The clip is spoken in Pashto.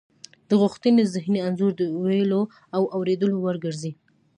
د غوښتنې ذهني انځور د ویلو او اوریدلو وړ ګرځي